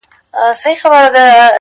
• له هر چا یې وو هېر کړی زوی او کلی ,